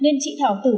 nên chị thảo tử vong